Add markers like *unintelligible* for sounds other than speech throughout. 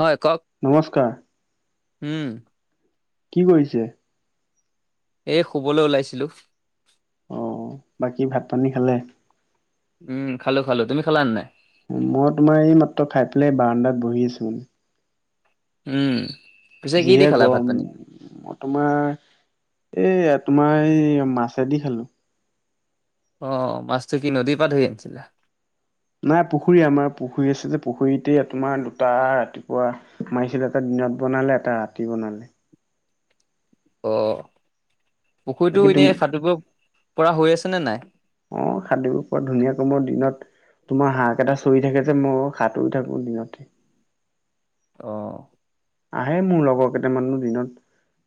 হয় কওক নমস্কাৰ। উম। কি কৰিছে? এই শুবলৈ ওলাইছিলোঁ। অ বাকী ভাত পানী খালে? উম খালো খালো তুমি খালা নাই? মই তোমাৰ এই মাত্ৰ খাই পেলাই বাৰান্দাত বহি আছো। উম। পিছে কি দি যিহে খালা ভাত গম পানী তোমাৰ এই। তোমাৰ এই মাছেদি খালো। অ মাছটো কি নদীৰ পা ধৰি আনিছিলা? নাই পুখুৰী আমাৰ পুখুৰী আছে যে পুখুৰীতে তোমাৰ দুটা ৰাতিপুৱা মাৰিছিলে এটা দিনত বনালে, এটা ৰাতি বনালে, অ পুখুৰীতটো বাকী তুমি এনেই সাঁতুৰি পৰা হৈ আছেনে নাই? অ সাধু পোৱা ধুনীয়া ক মোৰ দিনত তোমাৰ হাক এটা চৰি থাকে যে মই সাতুৰি থাকো দিনতে। অ'। আহে মোৰ লগৰ কেইটামানো দিনত।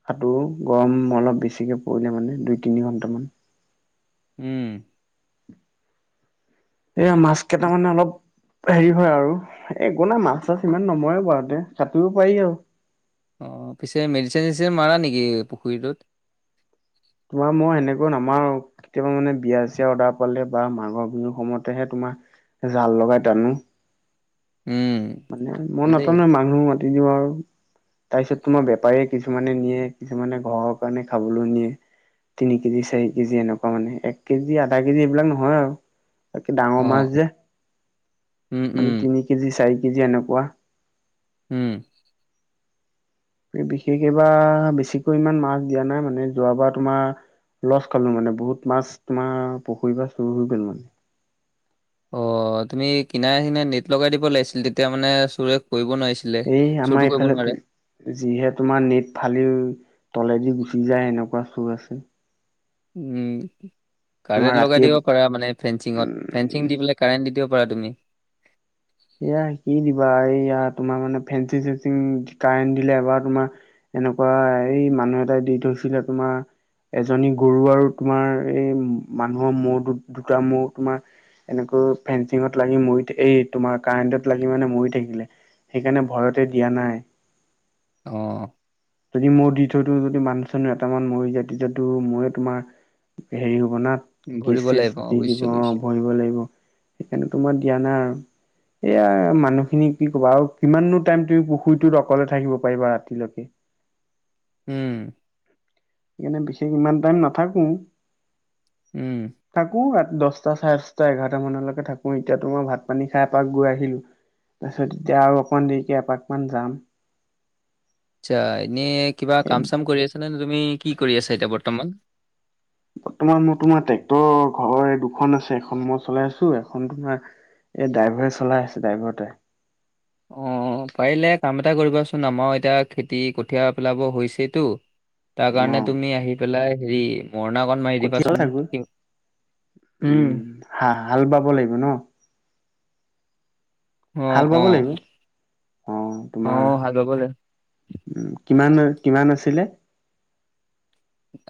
সাঁতোৰ গৰম অলপ বেছিকে পৰিলে মানে দুই তিনি ঘন্টামান। উম। এয়া মাছ কেইটা মানে অলপ। হেৰি হয় আৰু একো নাই মাছ চাছ ইমান নমৰে বাৰুতে সাতুৰিব পাৰি, আৰু অঁ পিছে মেডিচিন চেডিচিন মাৰা নেকি পুখুৰীটোত? তোমাৰ মই সেনেকৈ আমাৰ কেতিয়াবা মানে বিয়া চিয় অৰ্ডাৰ পালে বা মাঘৰ বিহুৰ সময়তেহে তোমাৰ, জাল লগাই তানো। উম মানে মই ভালেই নাটানো মানুহ মাতি দিওঁ, আৰু তাৰপিছত তোমাৰ বেপাৰীয়ে কিছুমানে নিয়ে, কিছুমানে ঘৰৰ কাৰণে খাবলৈ নিয়ে, তিনি কেজি চাৰি কেজি এনেকুৱা মানে এক কেজি আধা কেজি এইবিলাক নহয়, আৰু তাকে অ ডাঙৰ মাছ যে উম উম মানে তিনি কেজি চাৰি কেজি এনেকুৱা। হম। বিশেষ এইবাৰ বেছিকৈ ইমান মাছ দিয়া নাই মানে যোৱাবাৰ তোমাৰ, লছ খালো মানে বহুত মাছ তোমাৰ পুখুৰী বা চুৰ হৈ গল, মানে অ তুমি কিনাই কিনাই নেট লগাই দিব লাগিছিল তেতিয়া মানে চুৰ, এই আমাৰ এইফালে যিহে তোমাৰ নেট ফালি তলেদি গুচি যায় এনেকুৱা চুৰ আছে। উম তোমাৰ কাৰেণ্ট লগাই ৰাতিয়ে দিব পাৰা মানে ফেঞ্চিঙত ফেঞ্চিং উম দি পেলাই কাৰেন্ট দি দিব প পাৰা তুমি এয়া কি দিবা এই ইয়াত, তোমাৰ মানে ফেঞ্চি চেঞ্চিং কাৰেণ্ট দিলে এবাৰ তুমাৰ এনেকুৱা এই মানুহ এটাই দি থৈ, ছিলে তোমাৰ। এজনী গৰু আৰু তোমাৰ এই মানুহৰ মৌ দু দুটা মৌ তোমাৰ এনেকুৱা, ফেঞ্চিঙত লাগি মইতে এই তোমাৰ কাৰেণ্টত লাগি মানে মৰি থাকিলে সেইকাৰণে ভয়তে দিয়া নাই। অ যদি মই দি থৈতো যদি মানুহ চানুহ এটামান মৰি যায় তেতিয়াতো মই তোমাৰ, হেৰি হ'ব না কেচ ভৰিব চেচ লাগিব দি দিব বুজিছো অ বুজিছো ভৰিব লাগিব। সেইকাৰণেতো মই দিয়া নাই আৰু এয়া মানুহখিনি কি কবা আৰু কিমাননো টাইম তুমি পুখুৰীটোত অকলে থাকিব পাৰিবা ৰাতিলৈকে। *unintelligible* উম্। সেইকাৰণে বিশেষ ইমান টাইম নাথাকো। উম থাকো ৰা দশটা চাৰে দশটা এঘাৰটা মানলৈকে থাকো এতিয়াতো মই ভাত পানী খাই এপাক গৈ আহিলো তাৰপিছত এতিয়া আৰু অকমান দেৰিকে এপাক মান যাম আচ্ছা এনেই কিবা এই কাম চাম কৰি আছনে তুমি কি কৰি আছা এতিয়া বৰ্তমান? বৰ্তমান মই তোমাৰ ট্ৰেক্টৰৰ ঘৰ দুখন আছে এখন মই চলাই আছো এখন তোমাৰ এই ড্ৰাইভাৰে চলাই আছে ড্ৰাইভাৰতে অ পাৰিলে কাম এটা কৰিবাচোন আমাৰ এতিয়া খেতি কঠিয়া পেলাব হৈছেইতো তাৰ অ কাৰণে তুমি আহি পেলাই হেৰি মৰণাকণ মাৰি কঠিয়া দিবাচোন থাকো উম হা হাল বাব লাগিব ন আহ আহ অঁ তোমাৰ কিমান কিমান আছিলে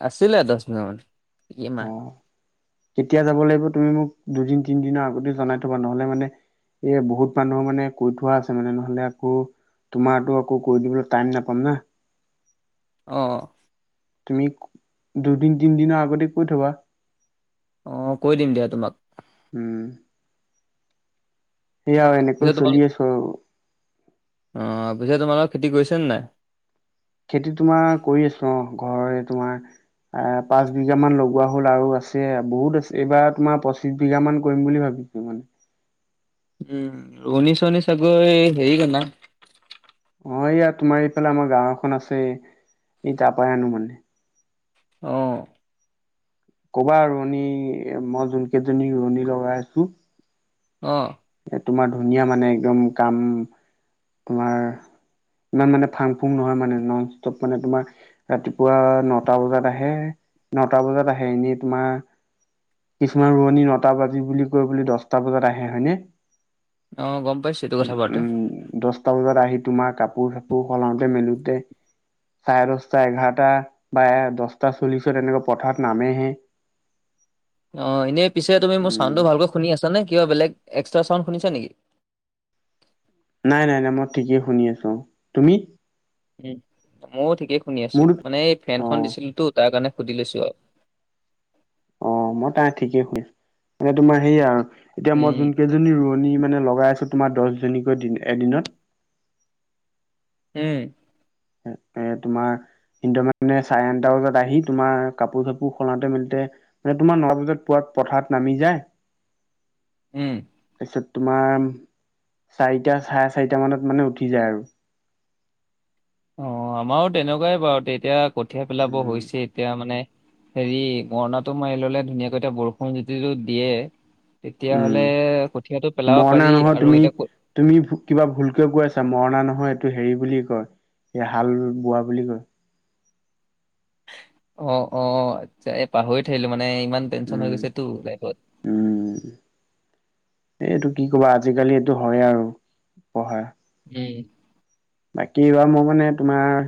আছিলিলে দহ বিঘা মান কি অ মাহ কেতিয়া যাব লাগিব তুমি মোক দুদিন তিনিদিনৰ আগতে জনাই থবা নহ'লে মানে এ বহুত মানুহ মানে কৈ থোৱা আছে মানে নহলে আকৌ তোমাৰো আকৌ কৈ দিবলৈ টাইম নাপাম না আহ তুমি দুদিন তিনিদিনৰ আগতে কৈ থবা অ কৈ দিম দিয়া তোমাক উম সেয়া এনেকৈ পিছে তোমাল চলিয়ে আছোওঁ। অ পিছে তোমালোকৰ খেতি কৰিছে নাই? খেতি তোমাৰ কৰি আছো অ ঘৰৰে তোমাৰ এ পাঁচ বিঘা মান লগোৱা হ'ল আৰু আছে বহুত আছে এইবাৰ তোমাৰ পঁচিছ বিঘা মান কৰিম বুলি ভাবি। মানে উম উঊনৈশ উছ একৈ হেৰি ক অ এইয়া তোমাৰ এইফালে আমাৰ গাঁও এখন আছে এই তাপাই আনো মানে আহ কবা ৰোৱনী মই যোন কেইজনী ৰোৱনী লগাই আছো। অ এ তোমাৰ ধুনীয়া মানে একদম কাম তোমাৰ ইমান মানে ফাং ফুং নহয় মানে নন ষ্টপ মানে তোমাৰ ৰাতিপুৱা নটা বজাত আহে। নটা বজাত আহে এনে তোমাৰ কিছুমান ৰোৱনী নটা বাজি বুলি কৈ বুলি দচটা বজাত আহে হয়নে। অ গম পাইছে এইটো কথা বোৱাতে উম দহটা বজাত আহি তোমাৰ কাপোৰ চাপোৰ সলাওঁতে মেলোতে চাৰে দহটা এঘাৰটা বা দহটা চল্লিশত এনেকুৱা পথাৰত নামেহে। *unintelligible* অঁ এনেই পিছে তুমি মোৰ উম চাউণ্ডটো ভালকৈ শুনি আছানে কিবা বেলেগ এক্সট্ৰা চাউণ্ড শুনিছা নেকি? নাই নাই নাই মই ঠিকেই শুনি আছো, তুমি? উ ময়ো ঠিকেই শুনি আছো মোৰ মানে এই ফেনখন অ দিছিলো তো তাৰ কাৰণে সুধি লৈছোঁ আওঁ। অ মই তাই ঠিকেই শুনিম মানে তোমাৰ সেয়া আৰু এতিয়া মই উম। যোন কেইজনী ৰোৱনী মানে লগাই আছো তোমাৰ দহজনীকৈ এদিনত উম এ এ তোমাৰ কিন্তু মানে চাৰে আঠটা বজাত আহি তোমাৰ কাপোৰ চাপোৰ সলাওঁতে মিলোতে মানে তোমাৰ নটা বজাত পোৱাত পথাৰত নামি যায়। উম তাৰপিছত তোমাৰ চাৰিটা চাৰে চাৰিটা মানত মানে উঠি যায় আৰু অ আমাৰো তেনেকুৱাই বাৰু এতিয়া কঠিয়া পেলাব উম হৈছে এতিয়া মানে। হেৰি মৰণাটো মাৰি ললে ধুনীয়াকৈ এতিয়া বৰষুণ যতিটো দিয়ে উম তেতিয়াহলে কঠীয়াটো পেলাব মৰণা পাৰি নহয় আৰু তুমি এতিয়া তুমি কিবা ভুলকে কৈ আছা মৰণা নহয় টো হেৰি বুলি কয় এই হাল বোৱা বুলি কয়। অ অ এই পাহৰি থাকিলো মানে। মানে ইমান টেনচন হৈ উম গৈছেটো লাইফত। এই এইটো কি কবা আজিকালি এইটো হয় আৰু পঢ়া এই বাকী এইবাৰ মোৰ মানে তোমাৰ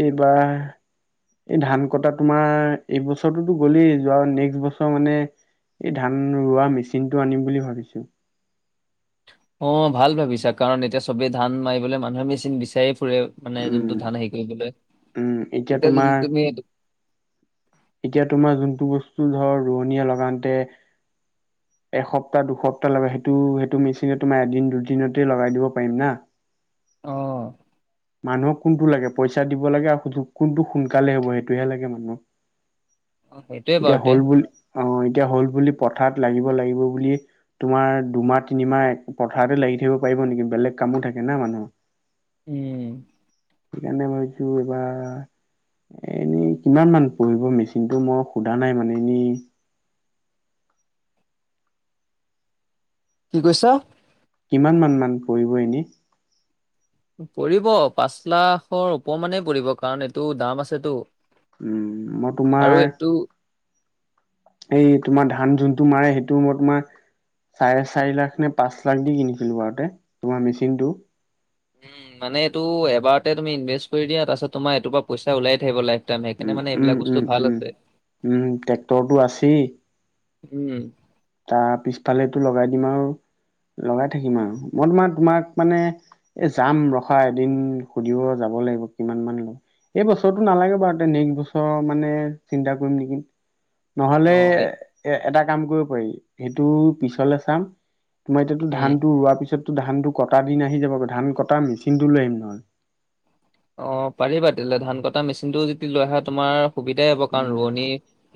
এইবাৰ এই ধান কটা তোমাৰ এইবছৰতোত গ'লেই যোৱা নেক্সট বছৰ মানে। এই ধান ৰোৱা মেচিনটো আনিম বুলি ভাবিছো। অ ভাল ভাবিছা কাৰণ এতিয়া চবেই ধান মাৰিবলে মানুহে মেচিন বিচাৰে। ফুৰে মানে যোনটো উম ধান হে কৰিবলৈ উম এতিয়া তেতিয়া যদি তোমাৰ তুমি এইটো এতিয়া তোমাৰ যোনটো বস্তু ধৰ ৰোৱনীয়ে লগাতে এসপ্তাহ দুসপ্তাহ লাগে সেইটো সেইটো মেচিনত তোমাৰ এদিন দুদিনতে লগাই দিব পাৰিম না। অহ মানুহক কোনটো লাগে পইচা দিব লাগে আৰু কোনটো সোনকালে হ'ব সেইটোহে লাগে মানুহ অ, সেইটোৱে এতিয়া বাৰুতে হল বুলি অ এতিয়া হল বুলি পথাৰত লাগিব লাগিব বুলি তোমাৰ দুমাহ তিনিমাহ এক পথাৰতে লাগি থাকিব পাৰিব নেকি বেলেগ কামো থাকে থাকে ন মানুহ। উম সেইকাৰণে ভাবিছো এইবাৰ এ এনেই কিমান মান পৰিব মেচিনটো মই সোধা নাই মানে এনে *unintelligible* কি কৈছা কিমান মান মান পৰিব এনে পৰিব পাঁচ লাখৰ ওপৰ মানেই পৰিব কাৰণ এইটো দাম আছেতো উম মই আৰু তোমাৰ এইটো এই তোমাৰ ধান যোনটো মাৰে সেইটো মই তোমাৰ চাৰে চাৰি লাখ নে পাঁচ লাখ দি কিনিছিলো বাৰুতে তোমাৰ মেচিনটো উম মানে এইটো এবাৰতে তুমি ইনভেষ্ট কৰি দিয়া তাৰপাছত তোমাৰ এইৰ পৰা পইচা ওলিয়াই থাকিব লাগে উম উম উম উম উম ট্ৰেক্টৰটো আছেই উম তাৰ পিছফালেটো লগাই দিম আৰু লগাই থাকিম আৰু মই তোমাৰে তোমাক মানে এ যাম ৰখা এদিন সুধিব যাব লব লাগিব কিমান মান ল এই বছৰটো নালাগে বাৰু তে নেক্সট বছৰ মানে চিন্তা কৰিম নেকি নহলে অ', এ এটা কাম কৰিব পাৰি সেইটো পিছলে চাম তোমাৰ এতিয়াতো উম। ধানটো ৰোৱাৰ পিছত ধান টো কটা দিন আহি যাব ধান কটা মেচিন টো লৈ আহিম নহলে। অ পাৰিবা তেতিয়া হলে ধান কটা মেচিনটো যদি লৈ আহা তোমাৰ সুবিধাই হব কাৰণ উম ৰোৱনী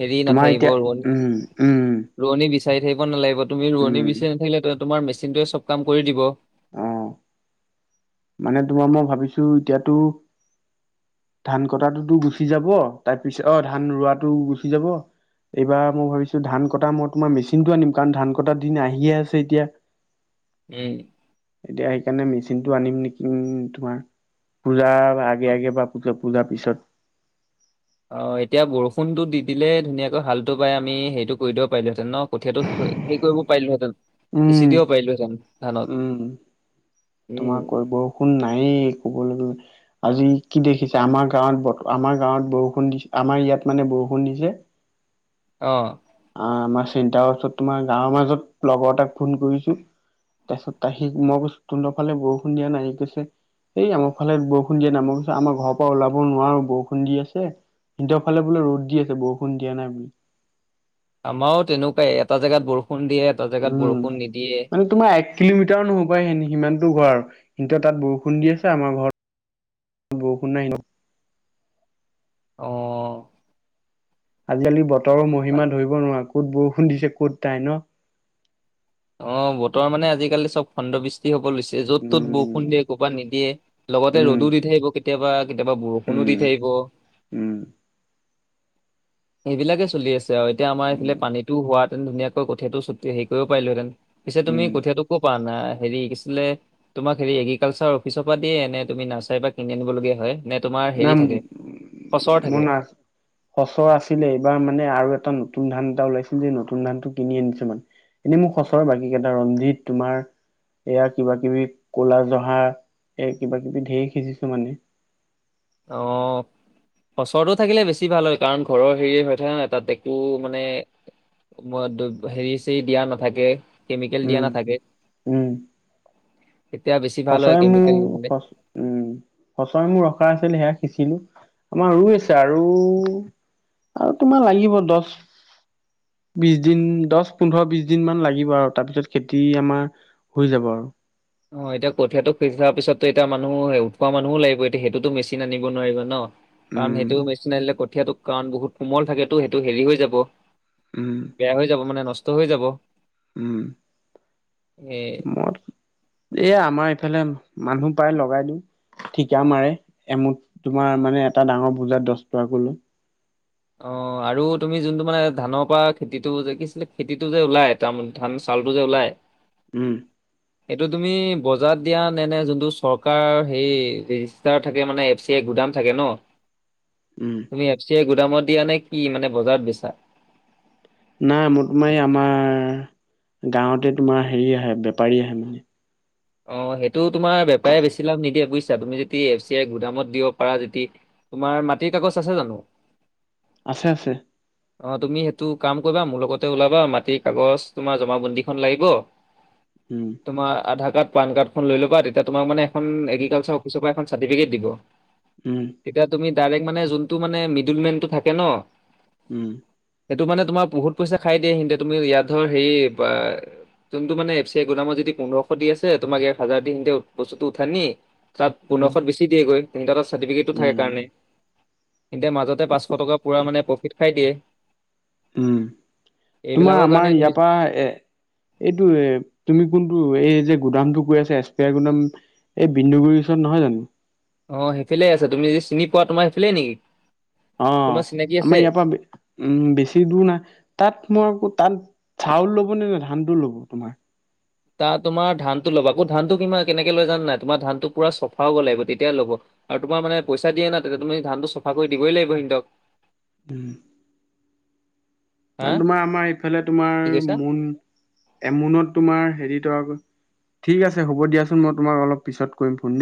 হেৰি তোমাৰ নাথাকিব এতিয়া ৰোৱনী উম উম ৰোৱনী বিচাই থাকিব নালাগিব তুমি উম ৰোৱনি বিচাৰি নাথাকিলে তুমাৰ মেচিনটোৱে চব কাম কৰি দিব অহ ম তোমাৰ মই ভাবিছো এতিয়াতো ধান কটাটোতো গুচি যাব তাৰপিছত অ ধান ৰোৱাটো গুচি যাব এইবাৰ মই ভাবিছো ধান কটা মই তোমাৰ মেচিনটো আনিম কাৰণ ধান কটা দিন আহিয়ে আছে এতিয়া *unintelligible* উম। এতিয়া সেইকাৰণে মেচিন টো আনিম নেকি তোমাৰ পূজা আগে অ', আগে বা পিছত। পূজাৰ পিছত। অ এতিয়া বৰষুণতো দি দিলে ধুনীয়াকৈ হালটো পাই আমি সেইটো কৰি দিব পাৰিলোহেঁতেন ন কঠিয়াতটো। হেৰি কৰিব পাৰিলোহেঁতেন উম সিঁচি দিব পাৰিলোহেতেন উম ধানত। উম, তোমাৰ ক বৰষুণ নাই কবলৈ। আজি কি দেখিছে? আমাৰ গাঁৱত আমাৰ গাঁৱত বৰষুণ দি আমাৰ ইয়াত মানে বৰষুণ। নিজে অ আমাৰ চিন্তা অস্থাত তোমাৰ গাঁৱৰ মাজত লগৰ এটাক ফোন কৰিছো। তাৰপিছত ত আহি মই কৈছো তোনৰফালে বৰষুণ দিয়া নাই গৈছে এই আমাৰ ফালে বৰষুণ দিয়া নামৰ আমাৰ ঘৰৰ পৰা ওলাব নোৱাৰো বৰষুণ দি আছে। সিহতৰ ফালে বোলে ৰ'দ দি আছে বৰষুণ দিয়া নাই বুলি। আমাৰো তেনেকুৱাই এটা জেগাত বৰষুণ দিয়ে এটা জেগাত উম বৰষুণ নিদিয়ে। মানে তোমাৰ এক কিলোমিটাৰ নহ'বা সেন সিমান। ঘৰ আৰু কিন্তু তাত বৰষুণ দি আছে আমাৰ ঘৰত বৰষুণ নাই ন? আহ। আজিকালি বতৰৰ মহিমা ধৰিব নোৱাৰাৰে ক'ত বৰষুণ দিছে ক'ত তাই ন? অ বতৰ মানে আজিকালি চব খণ্ডবৃষ্টি হব লৈছে। য'ত তত উম বৰষুণ দিয়ে ক'ৰবাত নিদিয়ে লগতে উম ৰ'দো দি থাকিব কেতিয়াবা। কেতিয়াবা বৰষুণো দি উম থাকিব। উম সেইবিলাকে চলি আছে আৰু এতিয়া আমাৰ এইফালে উম পানীটো হোৱাহেতেন ধুনীয়াকৈ কঠীয়াটো হেৰি কৰিব পিলোহেঁতেন। পিছে তুমি উম কঠীয়াতটো কৰ পৰা অনা। হেৰি কিছিলে তোমাক হেৰি এগ্ৰিকালচাৰ অফিচৰ পৰা দিয়ে। এনে তুমি নাৰ্চাৰীৰ পৰা কিনি আনিব লগীয়া হয় নে? তোমাৰ ন হেৰি উ থাকে খচৰ ম থাকে ন সচ আছে। আছিলে এইবাৰ মানে আৰু এটা নতুন ধান এটা ওলাইছিল যে নতুন ধান টো কিনি আনিছে মানে। এনেই মোৰ সচৰ বাকীকেইটা ৰঞ্জিত তোমাৰ। এয়া কিবা কিবি কলা জহা এই কিবা কিবি ধেৰ সিজিছো মানে। অ বচৰটো থাকিলে বেছি ভাল হয়। কাৰণ ঘৰৰ হেৰি হৈ থাকে ন তাত একো মানে। মই হেৰি চৰি দিয়া নাথাকে। কেমিকেল দিয়া উম নাথাকে। এতিয়া বেছি ভাল হয় সঁচৰে কেমিকেল নিদিলে। মোৰচ উম সঁচৰে মোৰ ৰখা আছিল সেয়াই। পিছিলি আমাৰ আছে আৰু আৰু তোমাৰ লাগিব দহ *inaudible* বিশ দিন দহ পোন্ধৰ বিশ দিন মান লাগিব আৰু তাৰপিছত খেতি আমাৰ হৈ যাব। আৰু অ এতিয়া কঠিয়াতটু থাৰ পিছতো এতি মুহ উঠোৱা মানুহো লাগিব এতিয়া সেইটোতো মেচিন আনিব নোৱাৰিব ন। কাৰণ উম সেইটো মেচিন আহিলে কঠীয়াতটো কাৰণ বহুত কোমল থাকেতো সেইটো হেৰি হৈ যাব। উম বেয়া হৈ যাব মানে নষ্ট হৈ যাব। উম। এ মোৰ এ আমাৰ ইফালে মানুহ পায় লগাই দিওঁ ঠিকা মাৰে এমুঠ তোমাৰ মানে মানে এটা ডাঙৰ বোজাত দহ টকাকৈ লও। অ আৰু তুমি যোনটো মানে ধানৰ পৰা খেতিতটো যে কিছিলে খেতিটো যে ওলাই তাৰ ধান চ। কালটো যে ওলাই। উম। এইটো তুমি বজাৰ দিয়া নে নে যোনটো চৰকাৰ হে ৰেজিষ্টাৰ থাকে মানে এফ চিই গোট। দাম থাকে ন। উম তুমি এফ চি আই গুদামত দিয়া নে কি? মানে বজাৰত বিছা। নাই মই আমাৰ গাঁৱতে তোমাৰ হেৰি আহে বেপাৰী আহে মানে অ সেইটো তোমাৰ বেপাৰী বেছি লাভ নিদিয়ে বুজিছা তুমি যদি এফ চি আই গুদামত দিব পাৰা যদি। তোমাৰ মাটিৰ কাগজ আছে জানো আছে আছে অ তুমি সেইটো কাম কৰিবা মোৰ লগতে ওলাবা মাটিৰ কাগজ তোমাৰ জমা বন্দীখন লাগিব উম তোমাৰআধাৰ কাৰ্ড পান কাৰ্ডখন লৈ ল'বা তেতিয়া তোমাৰ মানে এখন উম এগ্ৰিকালচাৰ অফিচৰ পৰা চাতিপিকেত দিব উম তেতিয়া তুমি দাইৰেক মানে যোনতো মিদুলমেনটো থাকে ন উম সেইটো মানে তোমাৰ বহুত পইচা খাই দিয়ে দিনতে তুমি ইয়াত ধৰ হেৰি যোনটো মান এফ চি এ গুাম যদি পোন্ধৰশ দি আছে তোমাক একহাজাৰ দিম দিয়ক বস্তুটো উঠান নি তাত পোন্ধৰশ বেছি দেগৈ ইনতাৰচ চাৰ্টিফিকেটটো উম থাকে কাৰণে তেন্তে মাজতে পাঁচশ টকা পূৰা মানে প্ৰফিট খাই দিয়ে উম তোমাৰ এইবিলাকৰ কাৰণে আমাৰ তুমি ইয়াৰ পৰা এ এইটো এ তুমি কোনটো এই যে গুদামটো কৈ আছে এস্পিয়াৰ গুদাম এই বিন্দুগুৰিৰ ওচৰত নহয় জানো অ সেইফালে আছে তুমি যদি চিনি পোৱা তোমাৰ সেইফালে নেকি অ তোমাৰ চিনাকি আমাৰ আছে ইয়াৰ পৰা উ বেছি দূৰ নাই তাত মই আকৌ তাত চাউল ল'বনে ধানটো ল'ব তোমাৰ তা তোমাৰ ধানটো ল'ব আকৌ ধানটো কিমান কেনেকে লৈ যান নাই তোমাৰ ধানটো পুৰা চফাও হ'ব গ'লাগিব তেতিয়াহে ল'ব আৰু তোমাৰ মানে পইচা দিয়ে না তেতিয়া তুমি ধানটো চাফা কৰি দিবই লাগিব সিহতক উস হা মানে তোমাৰ আমাৰ ইফালে কি তোমাৰ কৈছা মোন এমনত তোমাৰ হেৰি টকাকৈ ঠিক আছে হ'ব দিয়াচোন মই তোমাক অলপ পিছত কৰিম ফোন দেই